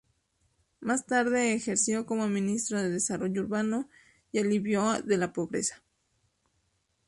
Más tarde, ejerció como Ministro de Desarrollo Urbano y Alivio de la Pobreza.